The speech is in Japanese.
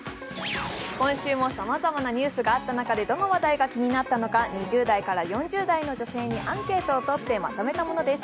今週もさまざまなニュースがあった中で、どの話題が気になったのか２０代から４０代にアンケートをとってまとめたものです。